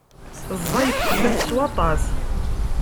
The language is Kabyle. Ẓẓayet fell-as s waṭas.